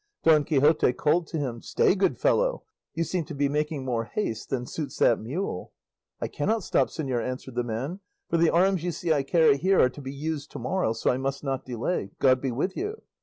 Don Quixote called to him, "Stay, good fellow; you seem to be making more haste than suits that mule." "I cannot stop, señor," answered the man; "for the arms you see I carry here are to be used to morrow, so I must not delay; God be with you.